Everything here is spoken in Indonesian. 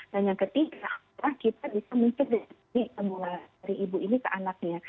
dan yang ketiga kita bisa muntah muntah kembali dari ibu ini ke anaknya